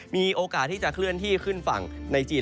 มีโอกาสที่จะเคลื่อนที่ขึ้นฝั่งในจีน